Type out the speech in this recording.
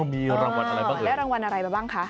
อ๋อมีรางวัลอะไรบ้างเลยแล้วรางวัลอะไรบ้างคะ